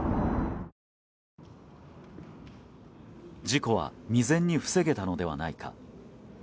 事故は未然に防げたのではないか。